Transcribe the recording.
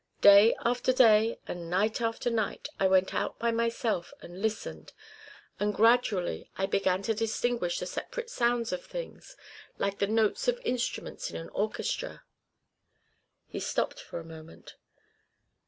Day after day and night after night I went out by myself and listened, and gradually I began to distinguish the separate sounds of things, like the notes of instruments in an orchestra." He stopped for a moment.